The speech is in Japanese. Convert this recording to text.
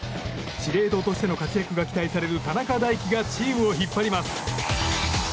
司令塔としての活躍が期待される田中大貴がチームを引っ張ります。